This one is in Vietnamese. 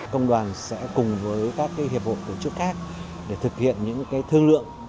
công đoàn sẽ cùng với các hiệp hội tổ chức khác để thực hiện những thương lượng